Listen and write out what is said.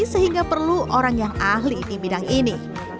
sehingga perlu orang yang ahli di bidang ini